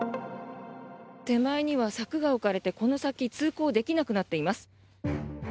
手前には柵が置かれてこの先通行できなくなっています。